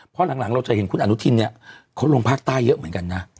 เพราะหลังเราจะเห็นคุณอนุทินเนี่ยเขาลงภาคใต้เยอะเหมือนกันนะ